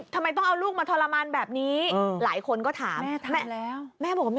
ทำไมต้องเอาลูกทรมานแบบนี้หลายคนก็ถาม